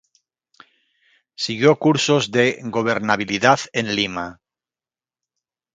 Siguió cursos de gobernabilidad en Lima.